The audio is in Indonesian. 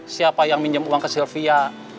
siapa yang minjem uang ke sylvia